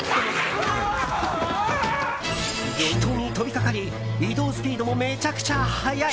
人に飛びかかり移動スピードもめちゃくちゃ速い！